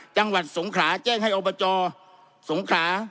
จังหวัดสงขราแจ้งให้อบจสงขรา